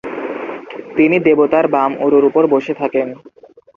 তিনি দেবতার বাম উরুর উপর বসে থাকেন।